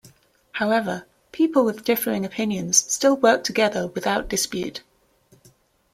However, people with differing opinions still work together without dispute.